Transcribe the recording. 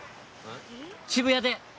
渋谷で！